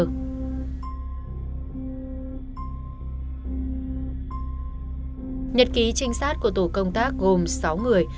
nhật ký trinh sát của tổ công tác gồm sáu người